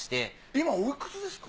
今おいくつですか？